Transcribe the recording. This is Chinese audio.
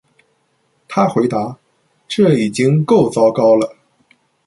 她回答：“这已经够糟糕了。”